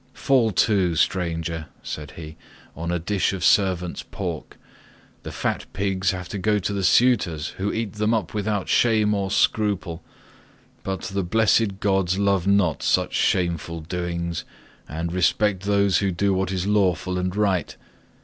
"Fall to, stranger," said he, "on a dish of servant's pork. The fat pigs have to go to the suitors, who eat them up without shame or scruple; but the blessed gods love not such shameful doings, and respect those who do what is lawful and right.